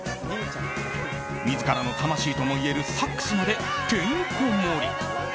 自らの魂ともいえるサックスまでてんこ盛り。